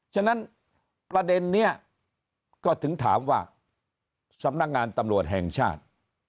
ฉะนั้นประเด็นนี้ก็ถึงถามว่าสำนักงานตำรวจแห่งชาติ